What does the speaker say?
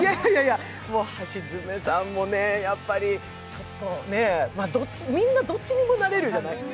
橋爪さんもやっぱりちょっとね、みんなどっちにもなれるじゃないですか。